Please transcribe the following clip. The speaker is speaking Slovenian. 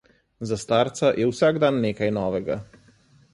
Za starca je vsak dan nekaj novega.